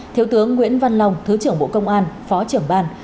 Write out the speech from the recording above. thiếu tướng nguyễn văn long thứ trưởng bộ công an phó trưởng ban